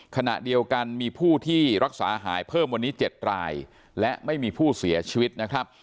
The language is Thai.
ขณะเดียวกันมีผู้ที่รักษาหายเพิ่มวันนี้๗รายและไม่มีผู้เสียชีวิตนะครับ